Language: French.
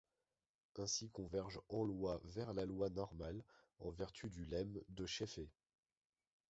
Ainsi converge en loi vers la loi normale, en vertu du lemme de Scheffé.